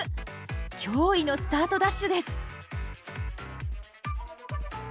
驚異のスタートダッシュです。